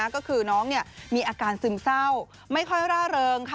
ก็คือน้องมีอาการซึมเศร้าไม่ค่อยร่าเริง